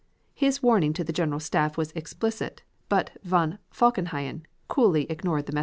His warning to the General Staff was explicit, but von Falkenhayn coolly ignored the message.